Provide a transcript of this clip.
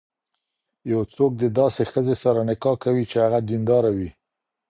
يو څوک د داسي ښځي سره نکاح کوي، چي هغه دينداره وي